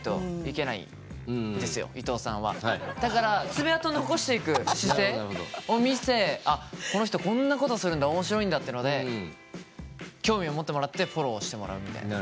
だから爪痕を残していく姿勢を見せこの人こんなことするんだ面白いんだってので興味を持ってもらってフォローしてもらうみたいな。